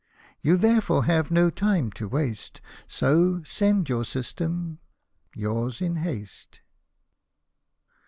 You, therefore, have no time to waste — So, send your System. — Yours, in haste.